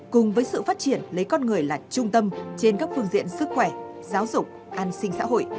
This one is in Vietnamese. cùng với sự phát triển lấy con người là trung tâm trên các phương diện sức khỏe giáo dục an sinh xã hội